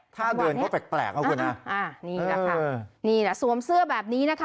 ถ้าเดินก็แปลกนะคุณฮะอ่านี่แหละค่ะนี่น่ะสวมเสื้อแบบนี้นะคะ